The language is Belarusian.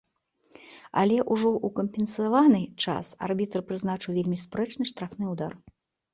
Але ўжо ў кампенсаваны час арбітр прызначыў вельмі спрэчны штрафны ўдар.